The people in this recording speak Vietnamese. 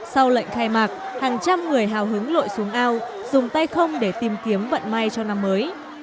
sau lệnh khai mạc hàng trăm người hào hứng lội xuống ao dùng tay không để tìm kiếm vận may cho năm mới